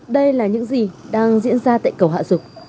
đây là những gì đang diễn ra tại cầu hạ dục